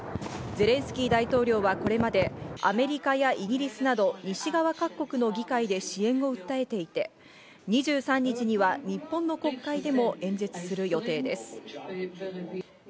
ゼレンスキー大統領はこれまでアメリカやイギリスなど西側各国の議会で支援を訴えていて、２３日には日本の国会でも演説する予定です。